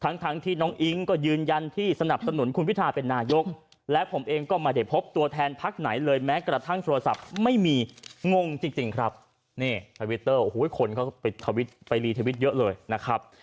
นี่ทวิตเตอร์โอ้โหคนเขาไปลีทวิตเยอะเลยนะครับ